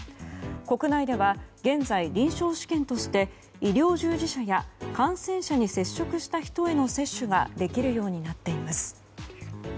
国内では現在、臨床試験として医療従事者や感染者に接触した人への接種ができるようになっています。